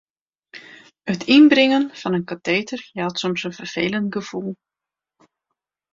It ynbringen fan it kateter jout soms in ferfelend gefoel.